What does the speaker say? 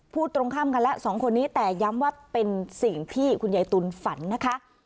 ตรงข้ามกันแล้วสองคนนี้แต่ย้ำว่าเป็นสิ่งที่คุณยายตุ๋นฝันนะคะ